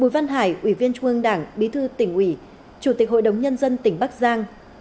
bùi văn hải ủy viên trung ương đảng bí thư tỉnh ủy chủ tịch hội đồng nhân dân tỉnh bắc giang